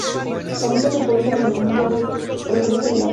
La lista se actualiza en el documento de referencia de la red.